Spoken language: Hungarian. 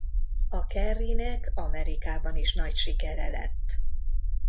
A Carrie-nek Amerikában is nagy sikere lett.